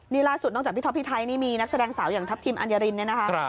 นี่ล่าสุดนอกจากพี่ท็อปพี่ไทยนี่มีนักแสดงสาวอย่างทัพทิมอัญญารินเนี่ยนะคะ